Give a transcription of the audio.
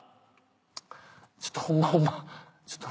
ちょっとホンマホンマちょっと。